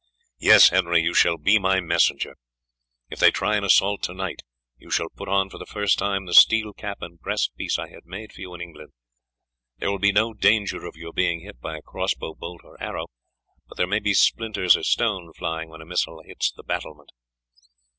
Yes, Henry, you shall be my messenger. If they try an assault to night, you shall put on for the first time the steel cap and breastpiece I had made for you in England; there will be no danger of your being hit by crossbow bolt or arrow, but there may be splinters of stone flying when a missile hits the battlement.